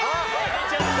出ちゃった！